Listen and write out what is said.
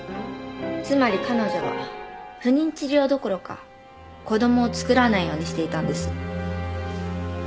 つまり彼女は不妊治療どころか子供をつくらないようにしていたんです。